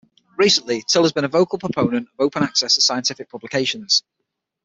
Recently, Till has been a vocal proponent of open access to scientific publications.